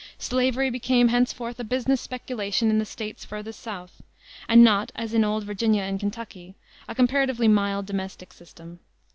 Slavery became henceforth a business speculation in the States furthest south, and not, as in Old Virginia and Kentucky, a comparatively mild domestic system.